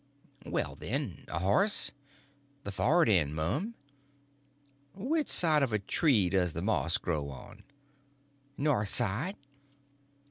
"Well, then, a horse?" "The for'rard end, mum." "Which side of a tree does the moss grow on?" "North side."